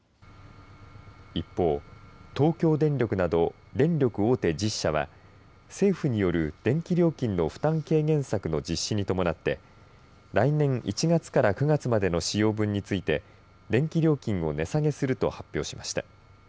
一方、東京電力など電力大手１０社は政府による電気料金の負担軽減策の実施に伴って来年１月から９月までの使用分について電気料金を値下げすると発表しました。